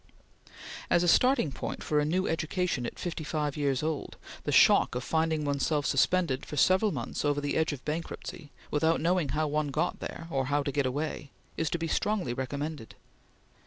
As a starting point for a new education at fifty five years old, the shock of finding one's self suspended, for several months, over the edge of bankruptcy, without knowing how one got there, or how to get away, is to be strongly recommended.